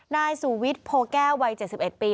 นายสูวิทย์โพแก้ววัย๗๑ปี